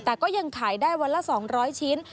แต่ก็ยังขายได้วันละ๒๐๐ชิ้น